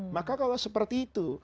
maka kalau seperti itu